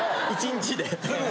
１日で。